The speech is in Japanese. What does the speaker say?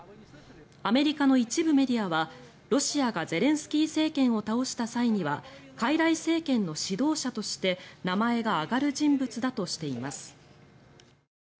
アメリカの一部メディアはロシアがゼレンスキー政権を倒した際にはかいらい政権の指導者として名前が挙がる人物だとしています。